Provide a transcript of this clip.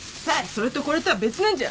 それとこれとは別なんじゃ！